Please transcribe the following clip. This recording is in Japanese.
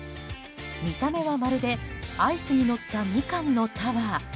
見た目はまるでアイスにのったミカンのタワー。